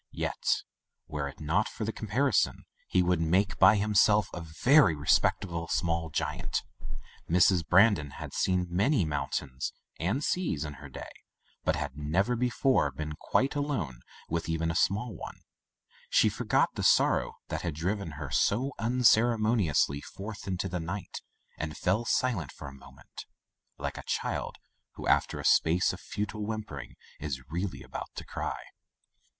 Yet, were it not for the comparison, he would make, by himself, a very respectable small giant. Mrs. Bran don had seen many mountains and seas in her day, but had never before been quite alone with even a small one. She forgot the sorrow that had driven her so unceremoni [ 279 ] Digitized by LjOOQ IC Interventions ously forth into the night, and fell silent for a moment, like a child who after a space of futile whimpering is really about to cry.